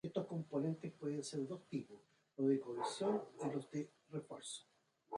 Estos componentes pueden ser de dos tipos: los de "cohesión" y los de "refuerzo".